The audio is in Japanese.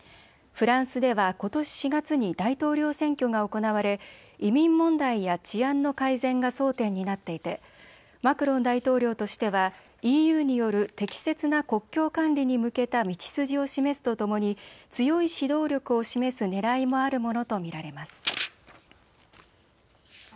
フランスではことし４月に大統領選挙が行われ移民問題や治安の改善が争点になっていてマクロン大統領としてはＥＵによる適切な国境管理に向けた道筋を示すとともに強い指導力を示すねらいもあるものと見られます。